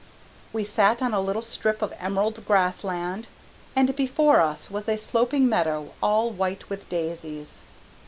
We sat on a little strip of emerald grassland and before us was a sloping meadow all white with daisies.